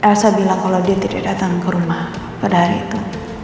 rasa bilang kalau dia tidak datang ke rumah pada hari itu